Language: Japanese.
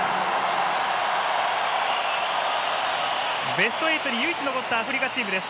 ベスト８に唯一残ったアフリカチームです。